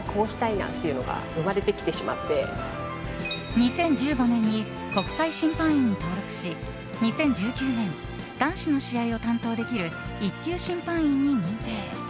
２０１５年に国際審判員に登録し２０１９年、男子の試合を担当できる１級審判員に認定。